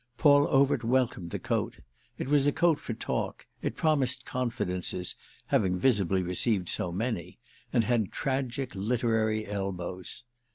Paul Overt welcomed the coat; it was a coat for talk, it promised confidences—having visibly received so many—and had tragic literary elbows.